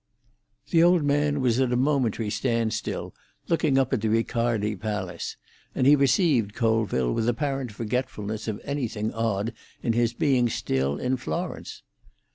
The old man was at a momentary stand still, looking up at the Riccardi Palace, and he received Colville with apparent forgetfulness of anything odd in his being still in Florence.